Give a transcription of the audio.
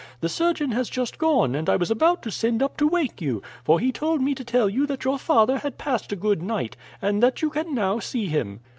The surgeon has just gone, and I was about to send up to wake you, for he told me to tell you that your father had passed a good night, and that you can now see him."